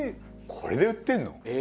これで売ってるの？